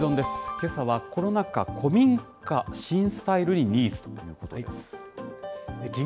けさはコロナ禍、古民家新スタイルにニーズ！ということです。